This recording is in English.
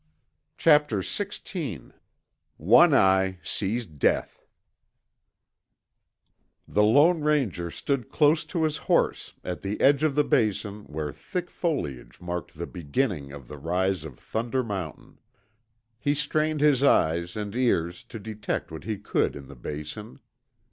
Chapter XVI ONE EYE SEES DEATH The Lone Ranger stood close to his horse at the edge of the Basin where thick foliage marked the beginning of the rise of Thunder Mountain. He strained his eyes and ears to detect what he could in the Basin.